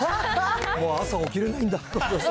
もう朝起きれないんだ。